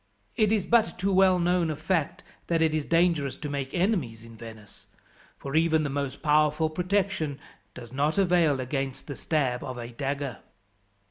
It is but too well known a fact that it is dangerous to make enemies in Venice, for even the most powerful protection does not avail against the stab of a dagger."